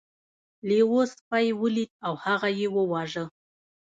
لیوه سپی ولید او هغه یې وواژه.